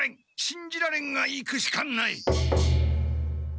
しんじられんが行くしかない！